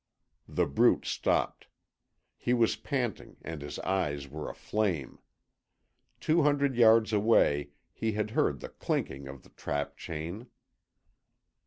The Brute stopped. He was panting, and his eyes were aflame. Two hundred yards away he had heard the clinking of the trap chain.